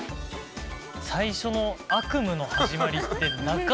最初の「悪夢の始まり」ってなかなか聞かない。